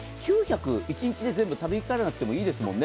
１日で全部食べ切らなくてもいいですもんね。